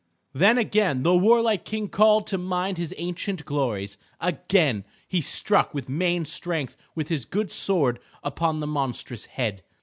Then again the warlike King called to mind his ancient glories, again he struck with main strength with his good sword upon the monstrous head.